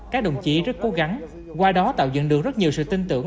các đồng chí rất cố gắng qua đó tạo dựng được rất nhiều sự tin tưởng